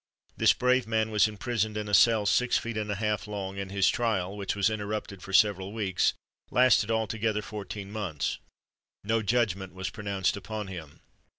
This brave man was imprisoned in a cell six feet and a half long, and his trial, which was interrupted for several weeks, lasted altogether fourteen months. No judgment was pronounced upon him."